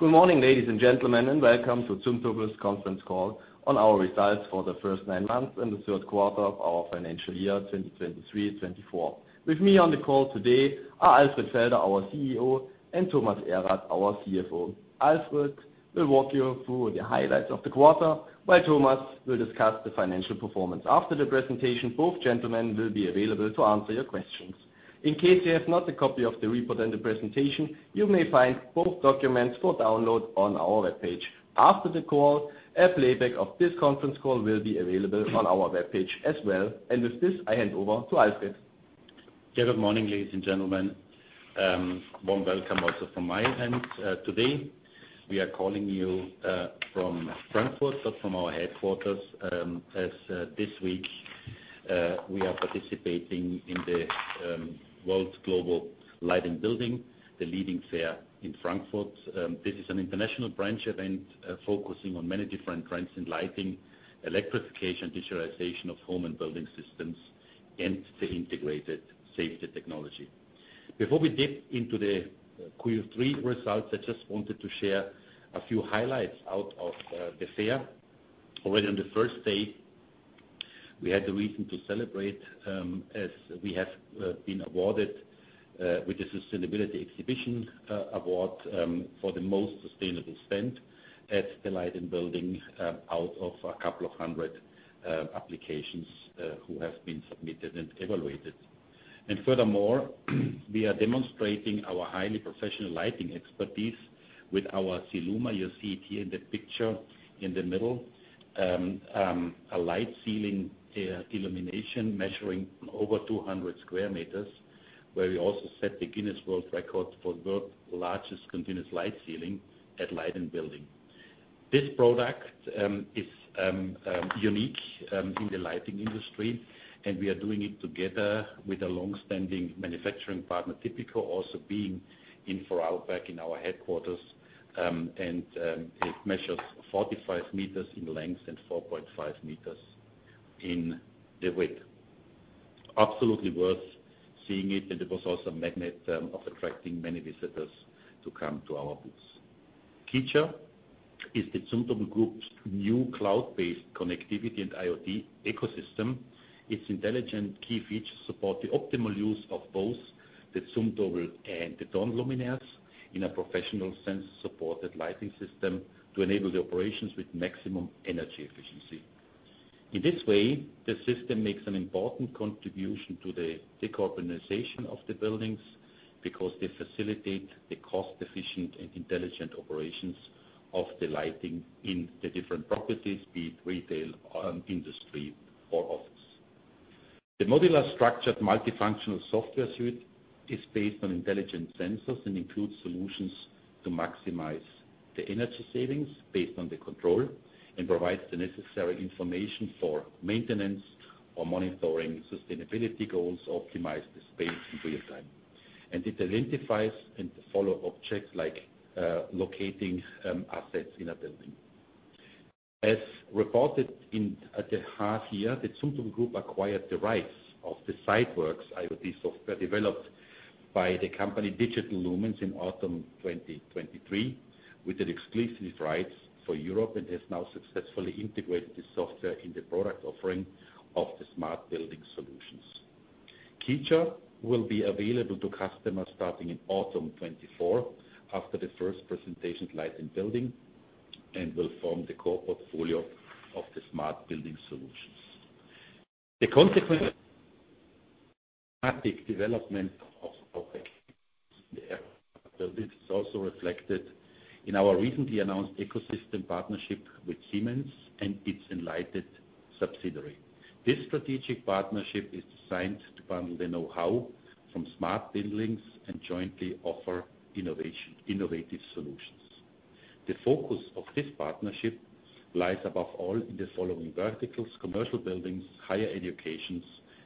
Good morning, ladies and gentlemen, and welcome to Zumtobel's conference call on our results for the first nine months and the third quarter of our financial year 2023/24. With me on the call today are Alfred Felder, our CEO, and Thomas Erath, our CFO. Alfred will walk you through the highlights of the quarter, while Thomas will discuss the financial performance after the presentation. Both gentlemen will be available to answer your questions. In case you have not a copy of the report and the presentation, you may find both documents for download on our web page. After the call, a playback of this conference call will be available on our web page as well. With this, I hand over to Alfred. Yeah, good morning, ladies and gentlemen. Warm welcome also from my end. Today we are calling you from Frankfurt, not from our headquarters, as this week we are participating in the Light + Building, the leading fair in Frankfurt. This is an international trade event, focusing on many different trends in lighting, electrification, digitalization of home and building systems, and the integrated safety technology. Before we dip into the Q3 results, I just wanted to share a few highlights out of the fair. Already on the first day, we had reason to celebrate, as we have been awarded with the Sustainability Exhibition Award for the most sustainable stand at the Light + Building, out of a couple of hundred applications which have been submitted and evaluated. Furthermore, we are demonstrating our highly professional lighting expertise with our CIELUMA, you'll see it here in the picture in the middle, a light ceiling illumination measuring over 200 square meters, where we also set the Guinness World Record for the world's largest continuous light ceiling at Light + Building. This product is unique in the lighting industry, and we are doing it together with a longstanding manufacturing partner, Typico, also being in Vorarlberg in our headquarters, and it measures 45 meters in length and 4.5 meters in the width. Absolutely worth seeing it, and it was also a magnet of attracting many visitors to come to our booths. KEYURE is the Zumtobel Group's new cloud-based connectivity and IoT ecosystem. Its intelligent key features support the optimal use of both the Zumtobel and the Thorn luminaires in a professional-sense-supported lighting system to enable the operations with maximum energy efficiency. In this way, the system makes an important contribution to the decarbonization of the buildings because they facilitate the cost-efficient and intelligent operations of the lighting in the different properties, be it retail, industry, or office. The modular-structured multifunctional software suite is based on intelligent sensors and includes solutions to maximize the energy savings based on the control and provides the necessary information for maintenance or monitoring sustainability goals, optimize the space in real time, and it identifies and follows objects like locating assets in a building. As reported in the half year, the Zumtobel Group acquired the rights of the SiteWorx IoT software developed by the company Digital Lumens in autumn 2023 with the exclusive rights for Europe and has now successfully integrated the software in the product offering of the smart building solutions. Keyure will be available to customers starting in autumn 2024 after the first presentation at Light + Building and will form the core portfolio of the smart building solutions. The consequent development of the building is also reflected in our recently announced ecosystem partnership with Siemens and its Enlighted subsidiary. This strategic partnership is designed to bundle the know-how from smart buildings and jointly offer innovation innovative solutions. The focus of this partnership lies above all in the following verticals: commercial buildings, higher education,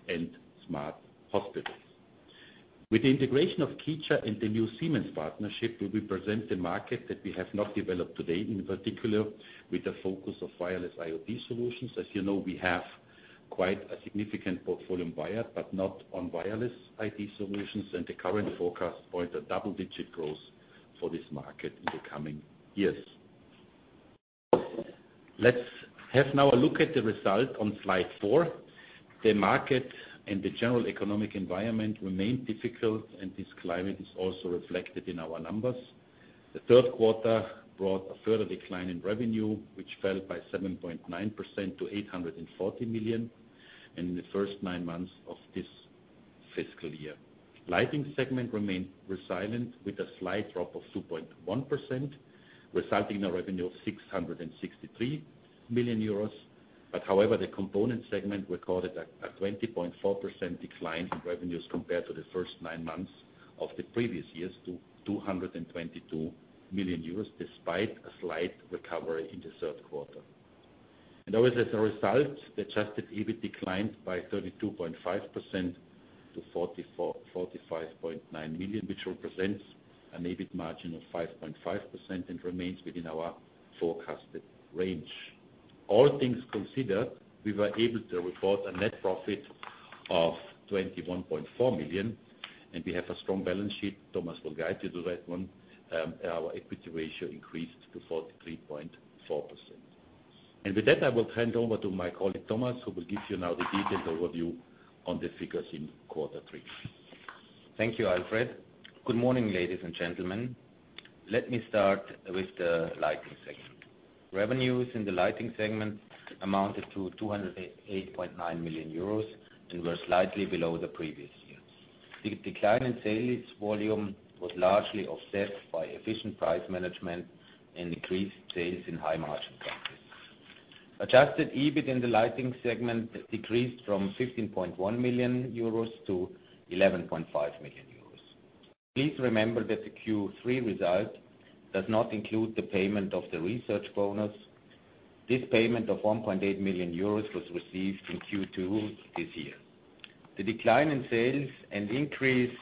and smart hospitals. With the integration of Keyure and the new Siemens partnership, we will present the market that we have not developed today, in particular with the focus of wireless IoT solutions. As you know, we have quite a significant portfolio wired but not on wireless IoT solutions, and the current forecast points a double-digit growth for this market in the coming years. Let's have now a look at the result on slide four. The market and the general economic environment remain difficult, and this climate is also reflected in our numbers. The third quarter brought a further decline in revenue, which fell by 7.9% to 840 million in the first nine months of this fiscal year. Lighting segment remained resilient with a slight drop of 2.1%, resulting in a revenue of 663 million euros. But however, the component segment recorded a 20.4% decline in revenues compared to the first nine months of the previous years, to 222 million euros, despite a slight recovery in the third quarter. And always as a result, the adjusted EBIT declined by 32.5% to 44.5 million, which represents an EBIT margin of 5.5% and remains within our forecasted range. All things considered, we were able to report a net profit of 21.4 million, and we have a strong balance sheet. Thomas will guide you to that one. Our equity ratio increased to 43.4%. With that, I will hand over to my colleague Thomas, who will give you now the detailed overview on the figures in quarter three. Thank you, Alfred. Good morning, ladies and gentlemen. Let me start with the lighting segment. Revenues in the lighting segment amounted to 208.9 million euros and were slightly below the previous year. The decline in sales volume was largely offset by efficient price management and increased sales in high-margin countries. Adjusted EBIT in the lighting segment decreased from 15.1 million euros to 11.5 million euros. Please remember that the Q3 result does not include the payment of the research bonus. This payment of 1.8 million euros was received in Q2 this year. The decline in sales and increase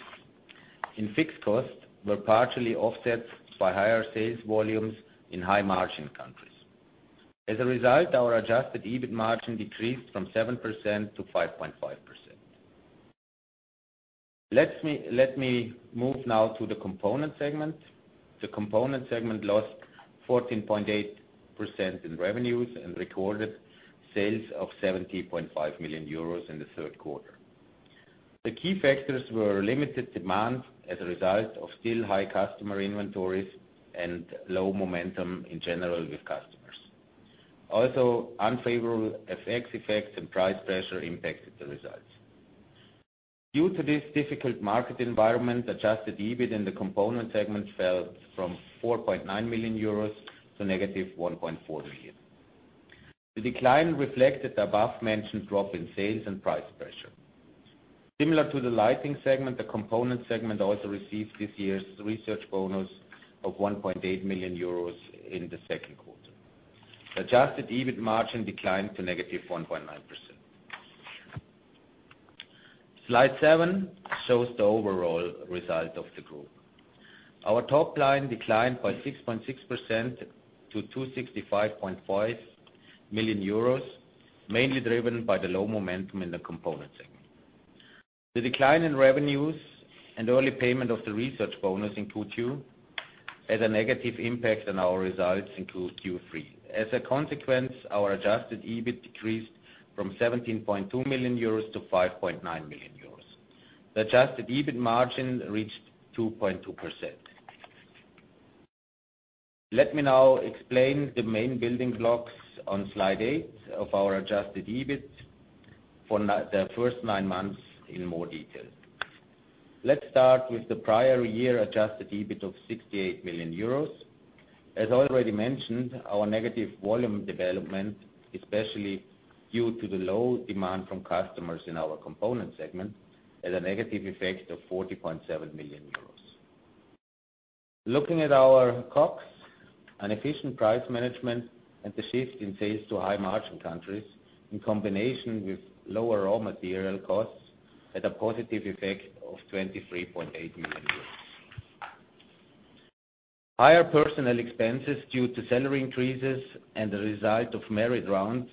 in fixed costs were partially offset by higher sales volumes in high-margin countries. As a result, our adjusted EBIT margin decreased from 7%-5.5%. Let me move now to the component segment. The component segment lost 14.8% in revenues and recorded sales of 70.5 million euros in the third quarter. The key factors were limited demand as a result of still high customer inventories and low momentum in general with customers. Also, unfavorable FX effects and price pressure impacted the results. Due to this difficult market environment, adjusted EBIT in the component segment fell from 4.9 million euros to negative 1.4 million. The decline reflected the above-mentioned drop in sales and price pressure. Similar to the lighting segment, the component segment also received this year's research bonus of 1.8 million euros in the second quarter. The adjusted EBIT margin declined to negative 1.9%. Slide seven shows the overall result of the group. Our top line declined by 6.6% to 265.5 million euros, mainly driven by the low momentum in the component segment. The decline in revenues and early payment of the research bonus in Q2 had a negative impact on our results in Q3. As a consequence, our adjusted EBIT decreased from 17.2 million euros to 5.9 million euros. The adjusted EBIT margin reached 2.2%. Let me now explain the main building blocks on slide eight of our adjusted EBIT for the first nine months in more detail. Let's start with the prior year adjusted EBIT of 68 million euros. As already mentioned, our negative volume development, especially due to the low demand from customers in our component segment, had a negative effect of 40.7 million euros. Looking at our COGS, inefficient price management, and the shift in sales to high-margin countries in combination with lower raw material costs had a positive effect of 23.8 million euros. Higher personal expenses due to salary increases and the result of merit round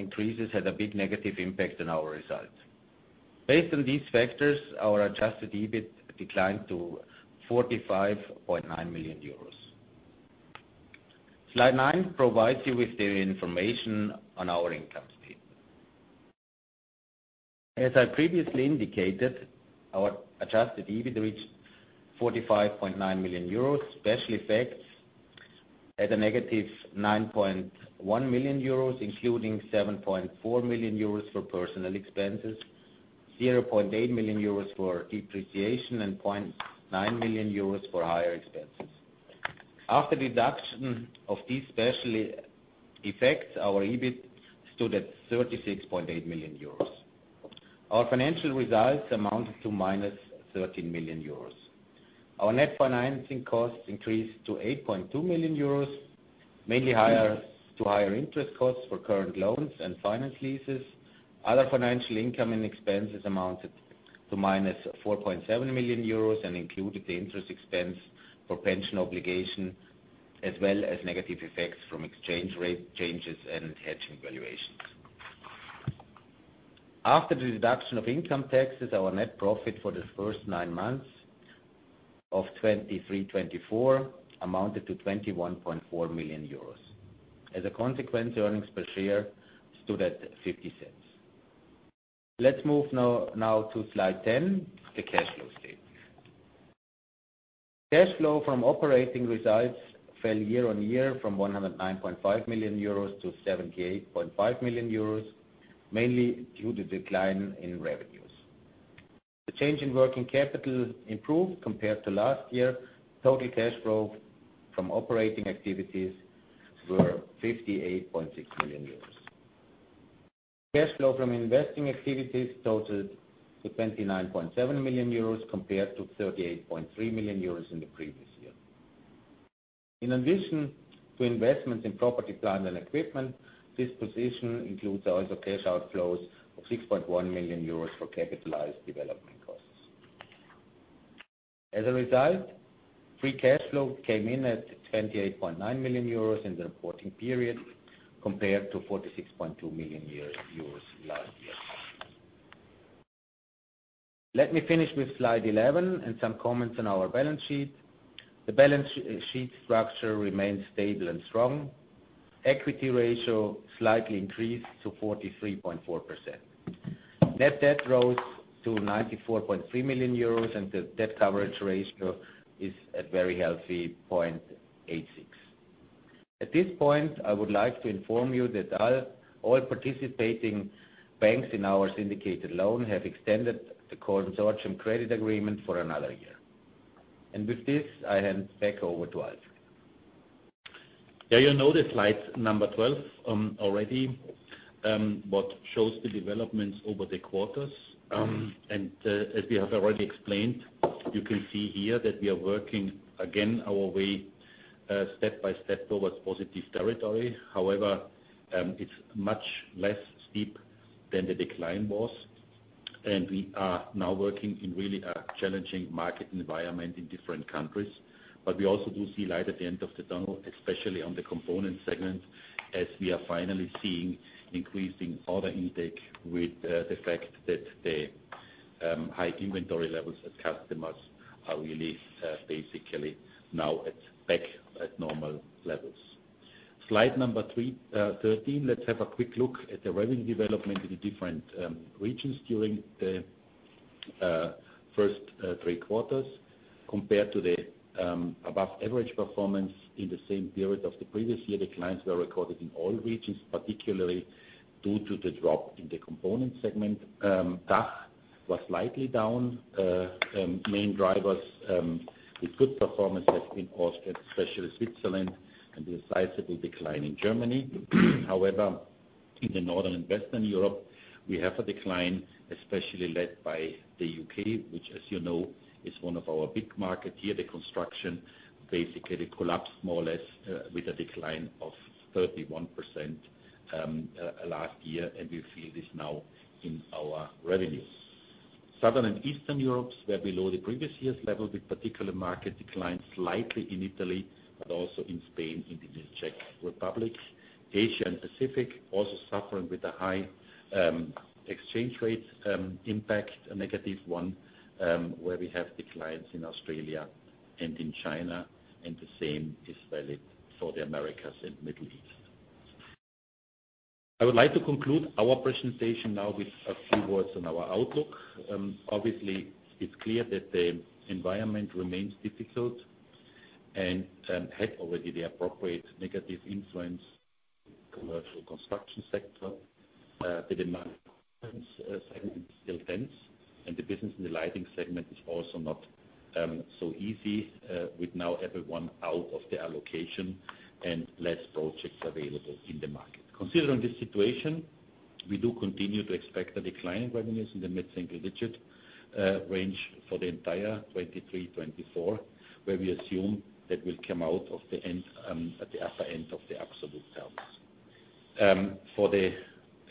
increases had a big negative impact on our result. Based on these factors, our adjusted EBIT declined to 45.9 million euros. Slide nine provides you with the information on our income statement. As I previously indicated, our adjusted EBIT reached 45.9 million euros. Special effects had a negative 9.1 million euros, including 7.4 million euros for personal expenses, 0.8 million euros for depreciation, and 0.9 million euros for higher expenses. After deduction of these special effects, our EBIT stood at 36.8 million euros. Our financial results amounted to -13 million euros. Our net financing costs increased to 8.2 million euros, mainly due to higher interest costs for current loans and finance leases. Other financial income and expenses amounted to -4.7 million euros and included the interest expense for pension obligation, as well as negative effects from exchange rate changes and hedging valuations. After the deduction of income taxes, our net profit for the first nine months of 2023/2024 amounted to 21.4 million euros. As a consequence, earnings per share stood at 0.50. Let's move now to slide 10, the cash flow statement. Cash flow from operating results fell year-on-year from 109.5 million euros to 78.5 million euros, mainly due to decline in revenues. The change in working capital improved compared to last year. Total cash flow from operating activities were 58.6 million euros. Cash flow from investing activities totaled to 29.7 million euros compared to 38.3 million euros in the previous year. In addition to investments in property, plant and equipment, this position includes also cash outflows of 6.1 million euros for capitalized development costs. As a result, free cash flow came in at 28.9 million euros in the reporting period compared to 46.2 million euros last year. Let me finish with slide 11 and some comments on our balance sheet. The balance sheet structure remains stable and strong. Equity ratio slightly increased to 43.4%. Net debt rose to 94.3 million euros, and the debt coverage ratio is at very healthy 0.86. At this point, I would like to inform you that all participating banks in our syndicated loan have extended the consortium credit agreement for another year. With this, I hand back over to Alfred. Yeah, you noticed slide number 12 already, what shows the developments over the quarters. As we have already explained, you can see here that we are working, again, our way, step by step towards positive territory. However, it's much less steep than the decline was, and we are now working in really a challenging market environment in different countries. But we also do see light at the end of the tunnel, especially on the component segment, as we are finally seeing increasing order intake with, the fact that the, high inventory levels at customers are really, basically now at back at normal levels. Slide number 13, let's have a quick look at the revenue development in the different regions during the first three quarters. Compared to the above-average performance in the same period of the previous year, declines were recorded in all regions, particularly due to the drop in the component segment. DACH was slightly down. Main drivers, with good performance have been Austria, especially Switzerland, and the sizable decline in Germany. However, in the Northern and Western Europe, we have a decline, especially led by the U.K., which, as you know, is one of our big markets here. The construction basically collapsed more or less, with a decline of 31% last year, and we feel this now in our revenues. Southern and Eastern Europe's were below the previous year's level, with particular market declines slightly in Italy but also in Spain, in the Czech Republic. Asia and Pacific also suffering with a high exchange rate impact, a negative one, where we have declines in Australia and in China, and the same is valid for the Americas and Middle East. I would like to conclude our presentation now with a few words on our outlook. Obviously, it's clear that the environment remains difficult and has already had the appropriate negative influence. Commercial construction sector, the demand consortium segment is still dense, and the business in the lighting segment is also not so easy, with now everyone out of their allocation and less projects available in the market. Considering this situation, we do continue to expect a decline in revenues in the mid-single-digit range for the entire 2023/2024, where we assume that we'll come out at the end, at the upper end of the absolute terms. For the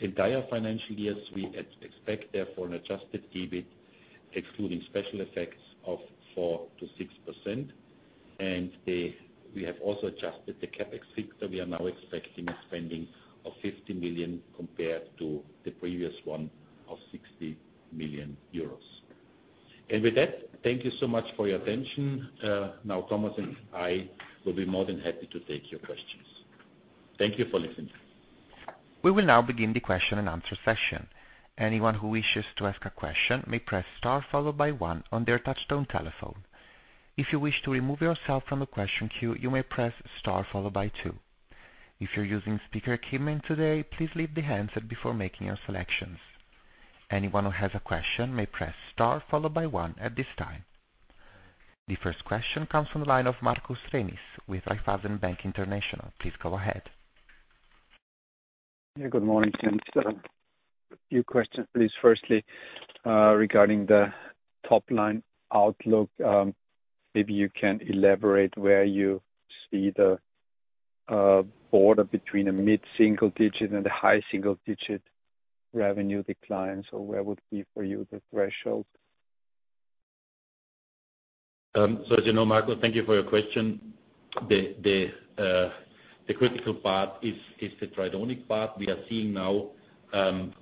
entire financial years, we expect, therefore, an adjusted EBIT excluding special effects of 4%-6%. And we have also adjusted the CAPEX figure. We are now expecting a spending of 50 million compared to the previous one of 60 million euros. And with that, thank you so much for your attention. Now Thomas and I will be more than happy to take your questions. Thank you for listening. We will now begin the question-and-answer session. Anyone who wishes to ask a question may press star followed by one on their touch-tone telephone. If you wish to remove yourself from the question queue, you may press star followed by two. If you're using speaker equipment today, please leave the handset before making your selections. Anyone who has a question may press star followed by one at this time. The first question comes from the line of Markus Remis with Raiffeisen Bank International. Please go ahead. Yeah, good morning, Tim. So, a few questions, please. Firstly, regarding the top line outlook, maybe you can elaborate where you see the border between a mid-single-digit and a high-single-digit revenue declines, or where would be, for you, the threshold? So, as you know, Markus, thank you for your question. The critical part is the Tridonic part. We are seeing now an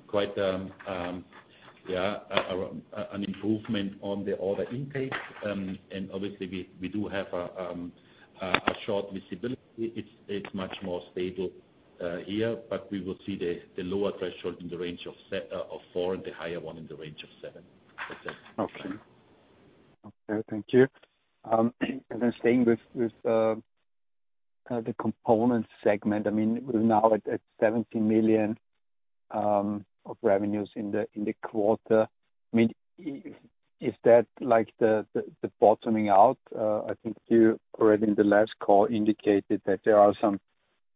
improvement on the order intake. And obviously, we do have a short visibility. It's much more stable here, but we will see the lower threshold in the range of three-four and the higher one in the range of seven. That's it. Okay. Okay, thank you. And then staying with the component segment, I mean, we're now at 17 million of revenues in the quarter. I mean, if that, like, the bottoming out I think you already in the last call indicated that there are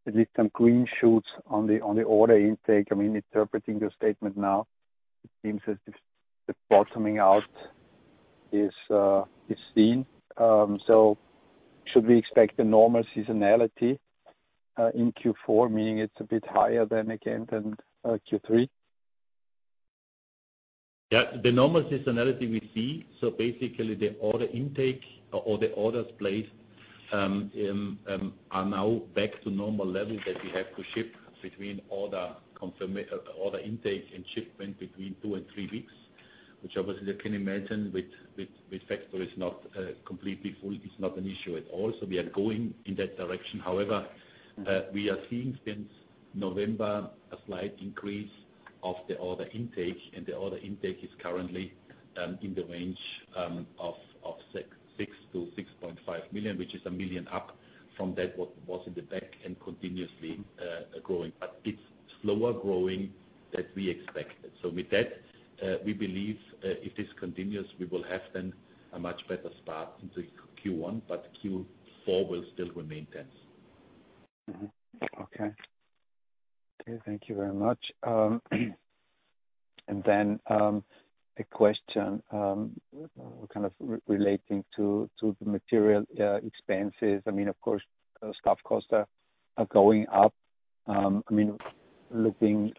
at least some green shoots on the order intake. I mean, interpreting your statement now, it seems as if the bottoming out is seen. So should we expect a normal seasonality in Q4, meaning it's a bit higher than, again, Q3? Yeah, the normal seasonality we see, so basically, the order intake or the orders placed are now back to normal levels that we have to ship between order confirmation order intake and shipment between two and three weeks, which obviously, you can imagine, with factories not completely full, it's not an issue at all. So we are going in that direction. However, we are seeing, since November, a slight increase of the order intake, and the order intake is currently in the range of 6-6.5 million, which is 1 million up from that what was in the back and continuously growing. But it's slower growing than we expected. So with that, we believe, if this continues, we will have then a much better start into Q1, but Q4 will still remain dense. Mm-hmm. Okay. Okay, thank you very much. And then, a question, kind of relating to the material expenses. I mean, of course, staff costs are going up. I mean, looking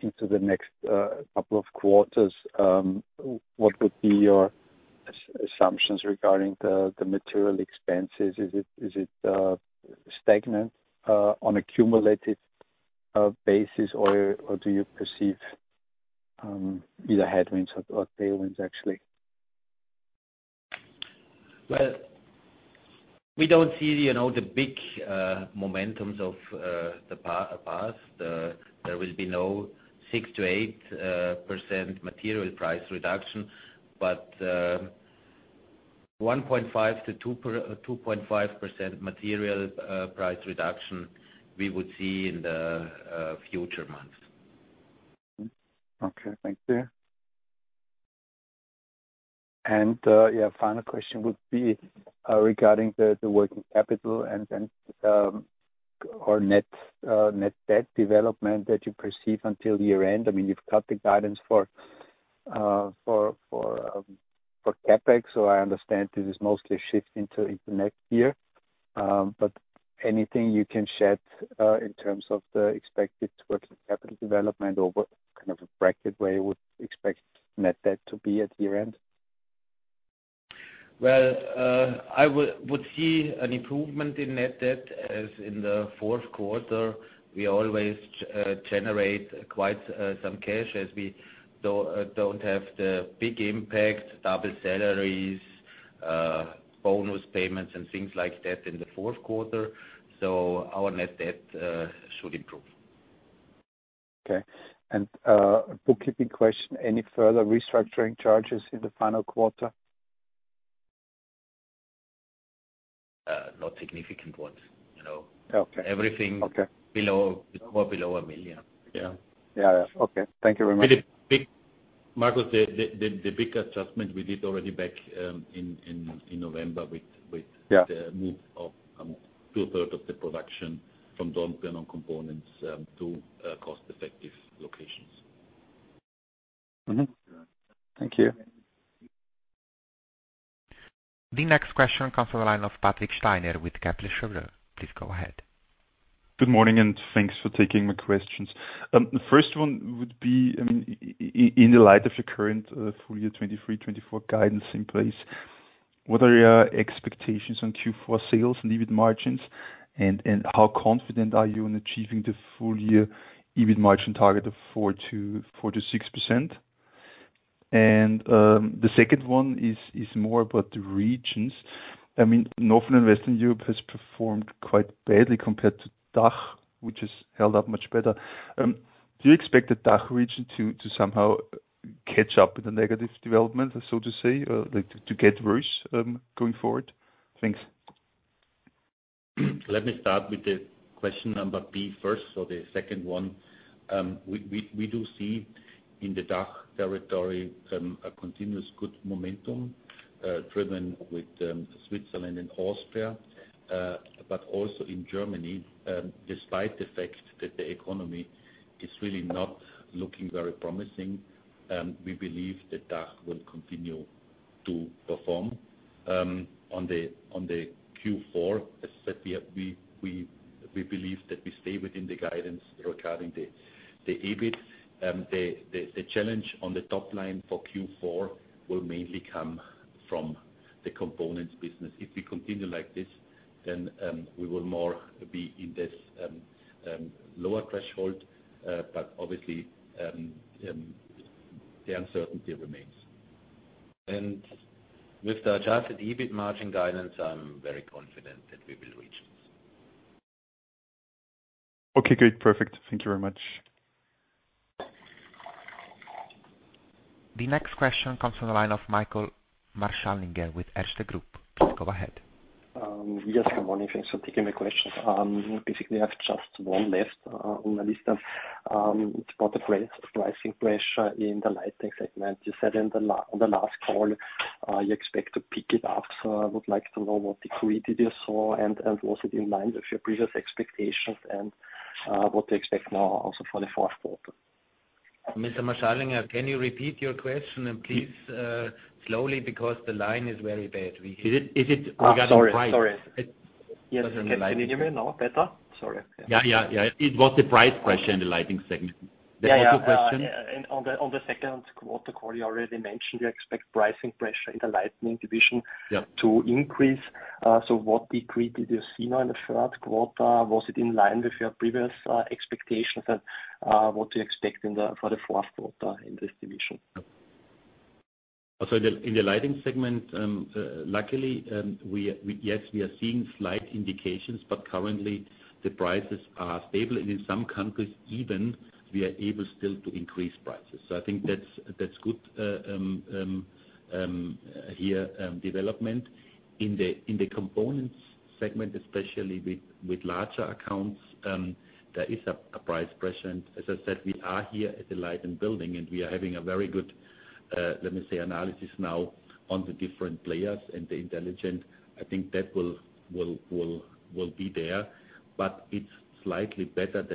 into the next couple of quarters, what would be your assumptions regarding the material expenses? Is it stagnant on accumulated basis, or do you perceive either headwinds or tailwinds, actually? Well, we don't see, you know, the big momentum of the past. There will be no 6%-8% material price reduction, but 1.5%-2% or 2.5% material price reduction we would see in the future months. Mm-hmm. Okay, thank you. And yeah, final question would be regarding the working capital and then or net debt development that you perceive until year-end. I mean, you've got the guidance for CAPEX, so I understand this is mostly a shift into next year. But anything you can shed in terms of the expected working capital development over kind of a bracket where you would expect net debt to be at year-end? Well, I would see an improvement in net debt as in the fourth quarter. We always generate quite some cash as we don't have the big impact, double salaries, bonus payments, and things like that in the fourth quarter. So our net debt should improve. Okay. And, bookkeeping question, any further restructuring charges in the final quarter? not significant ones, you know. Okay. Everything. Okay. Below more below 1 million. Yeah. Yeah, yeah. Okay. Thank you very much. With the big Markus, the big adjustment we did already back in November with. Yeah. The move of two-thirds of the production from Dornbirn on components to cost-effective locations. Mm-hmm. Thank you. The next question comes from the line of Patrick Steiner with Kepler Cheuvreux. Please go ahead. Good morning, and thanks for taking my questions. The first one would be, I mean, in the light of your current full year 2023/2024 guidance in place, what are expectations on Q4 sales and EBIT margins, and how confident are you in achieving the full year EBIT margin target of 4%-6%? The second one is more about the regions. I mean, northern and western Europe has performed quite badly compared to DACH, which has held up much better. Do you expect the DACH region to somehow catch up with the negative development, so to say, or, like, to get worse, going forward? Thanks. Let me start with the question number B first, or the second one. We do see in the DACH territory a continuous good momentum, driven with Switzerland and Austria, but also in Germany. Despite the fact that the economy is really not looking very promising, we believe the DACH will continue to perform on the Q4. As I said, we believe that we stay within the guidance regarding the EBIT. The challenge on the top line for Q4 will mainly come from the components business. If we continue like this, then we will more be in this lower threshold, but obviously, the uncertainty remains. With the adjusted EBIT margin guidance, I'm very confident that we will reach it. Okay, great. Perfect. Thank you very much. The next question comes from the line of Michael Marschallinger with Erste Group. Please go ahead. Yes, good morning. Thanks for taking my question. Basically, I have just one left on my list. It's about the price-pricing pressure in the lighting segment. You said in the la on the last call, you expect to pick it up. So I would like to know what degree did you saw, and, and was it in line with your previous expectations and, what do you expect now also for the fourth quarter? Mr. Marschallinger, can you repeat your question, and please, slowly, because the line is very bad. We. Is it, is it regarding price? Oh, sorry. Sorry. It was in the lighting? Can you hear me now better? Sorry. Yeah, yeah, yeah. It was the price pressure in the lighting segment. Yeah. That was your question? Yeah, yeah, yeah. And on the second quarter call, you already mentioned you expect pricing pressure in the lighting division. Yeah. To increase. So what degree did you see now in the third quarter? Was it in line with your previous expectations and what do you expect in the for the fourth quarter in this division? Yeah. So in the lighting segment, luckily, we are seeing slight indications, but currently, the prices are stable. And in some countries, even, we are able still to increase prices. So I think that's good development here. In the components segment, especially with larger accounts, there is a price pressure. And as I said, we are here at the Light + Building, and we are having a very good, let me say, analysis now on the different players and the intelligent. I think that will be there, but it's slightly better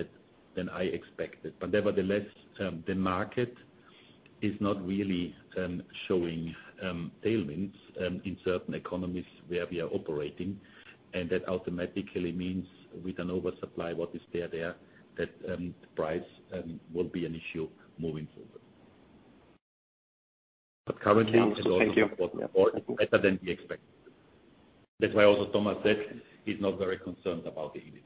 than I expected. But nevertheless, the market is not really showing tailwinds in certain economies where we are operating. And that automatically means, with an oversupply what is there, that price will be an issue moving forward. But currently, it's also. Thank you. Better than we expected. That's why also Thomas said he's not very concerned about the EBIT.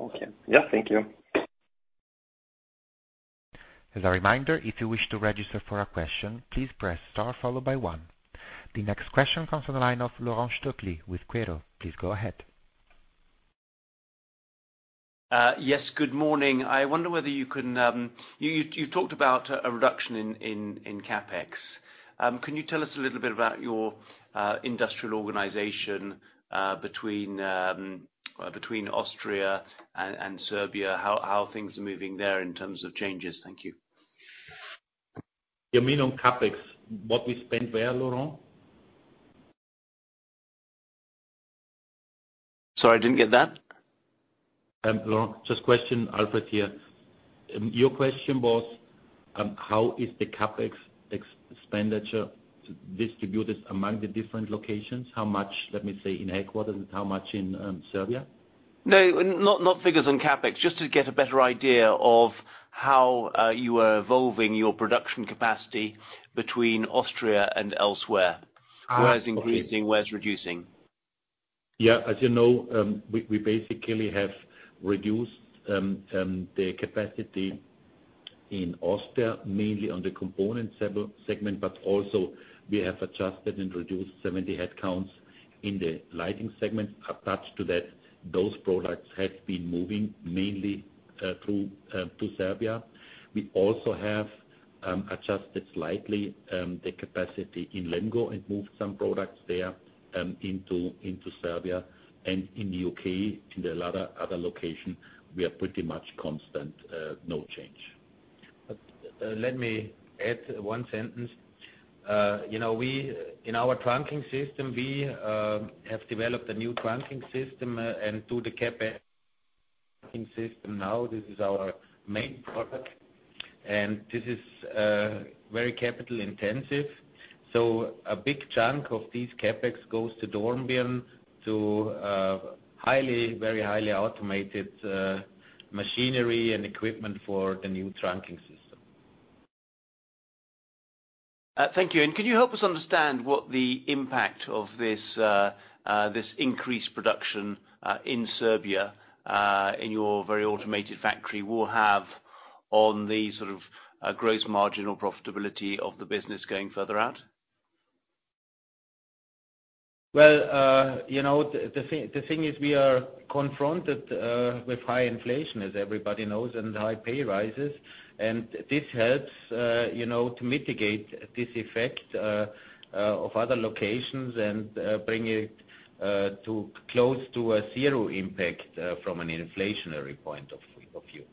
Okay. Yeah, thank you. As a reminder, if you wish to register for a question, please press star followed by one. The next question comes from the line of Laurent Stockli with Quaero. Please go ahead. Yes, good morning. I wonder whether you can. You talked about a reduction in CAPEX. Can you tell us a little bit about your industrial organization between Austria and Serbia, how things are moving there in terms of changes? Thank you. You mean on CAPEX, what we spend there, Laurent? Sorry, I didn't get that. Laurent, just question, Alfred here. Your question was, how is the CAPEX expenditure distributed among the different locations? How much, let me say, in headquarters and how much in Serbia? No, not figures on CAPEX. Just to get a better idea of how you are evolving your production capacity between Austria and elsewhere. Where's increasing. Oh, okay. Where's reducing? Yeah, as you know, we basically have reduced the capacity in Austria, mainly on the components segment, but also, we have adjusted and reduced 70 headcounts in the lighting segment. Attached to that, those products have been moving mainly through Serbia. We also have adjusted slightly the capacity in Lemgo and moved some products there into Serbia. And in the U.K., in a lot of other locations, we are pretty much constant, no change. Let me add one sentence. You know, we in our trunking system, we have developed a new trunking system, and do the CAPEX trunking system now. This is our main product. And this is very capital-intensive. So a big chunk of these CAPEX goes to Dornbirn to highly very highly automated machinery and equipment for the new trunking system. Thank you. Can you help us understand what the impact of this, this increased production, in Serbia, in your very automated factory will have on the sort of, gross margin or profitability of the business going further out? Well, you know, the thing is, we are confronted with high inflation, as everybody knows, and high pay rises. And this helps, you know, to mitigate this effect of other locations and bring it to close to a zero impact, from an inflationary point of view.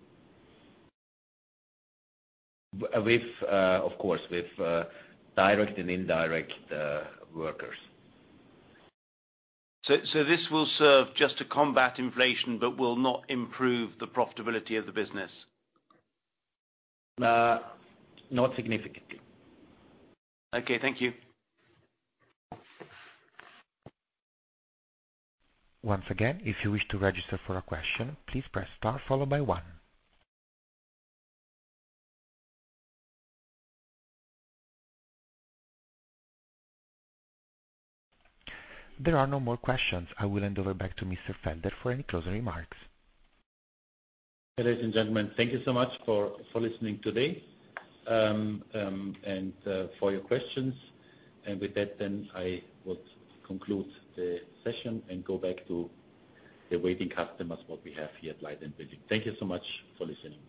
With, of course, direct and indirect workers. So, this will serve just to combat inflation but will not improve the profitability of the business? not significantly. Okay, thank you. Once again, if you wish to register for a question, please press star followed by one. There are no more questions. I will hand over back to Mr. Felder for any closing remarks. Ladies and gentlemen, thank you so much for listening today, and for your questions. With that, then, I would conclude the session and go back to the waiting customers, what we have here at Light + Building. Thank you so much for listening.